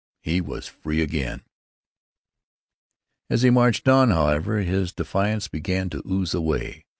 He was free again. As he marched on, however, his defiance began to ooze away.